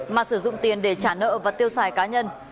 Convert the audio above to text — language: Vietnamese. mà sử dụng tiền để trả nợ và tiêu xài cá nhân